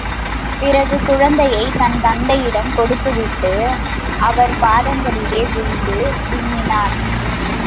பிறகு, குழந்தையைத் தன் தந்தையிடம் கொடுத்துவிட்டு, அவர் பாதங்களிலே விழுந்து விம்மினான்.